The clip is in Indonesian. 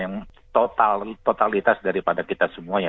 yang totalitas daripada kita semuanya